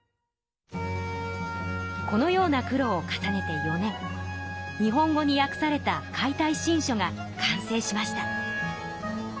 このような苦労を重ねて４年日本語にやくされた「解体新書」が完成しました。